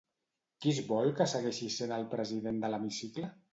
Qui es vol que segueixi sent el president de l'hemicicle?